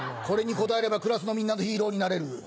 これに答えればクラスのみんなのヒーローになれる。